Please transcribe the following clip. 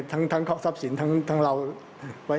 ทั้งท่อทรัพย์สินทั้งเรา